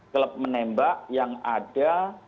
kelab menembak yang ada